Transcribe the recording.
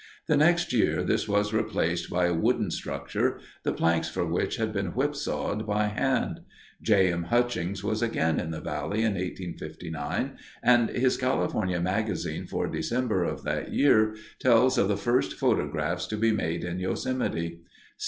The next year this was replaced by a wooden structure, the planks for which had been whipsawed by hand. J. M. Hutchings was again in the valley in 1859, and his California Magazine for December of that year tells of the first photographs to be made in Yosemite.